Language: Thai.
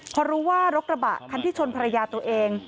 เขารู้ว่ารถกระบะไปชนภรรยาตัวเอง